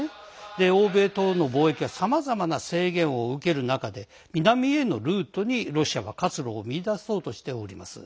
欧米との貿易はさまざまな制限を受ける中で南へのルートにロシアが活路を見出そうとしております。